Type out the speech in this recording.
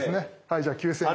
じゃあ９，０００円。